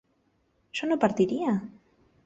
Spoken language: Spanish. ¿yo no partiría?